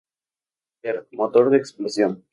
Ver: Motor de explosión